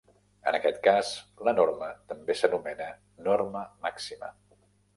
En aquest cas, la norma també s'anomena norma màxima.